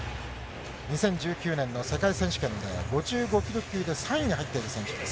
２０１９年の世界選手権で５５キロ級で３位に入っている選手です。